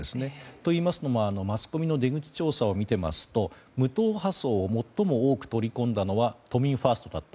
といいますのもマスコミの出口調査を見ていますと、無党派層を最も多く取り込んだのは都民ファーストだった。